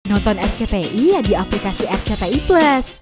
nonton rcti di aplikasi rcti plus